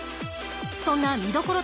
そんな見どころ